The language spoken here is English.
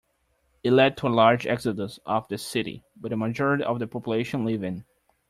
It led to a large exodus of the city, with a majority of the population leaving.